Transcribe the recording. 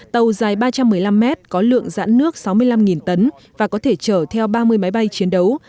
tàu dài ba trăm một mươi năm mét có lượng dãn nước sáu mươi năm tấn và có thể chở theo ba mươi máy bay chiến đấu